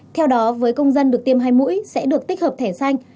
theo đó với công dân được tiêm hai mũi sẽ được tích hợp thẻ xanh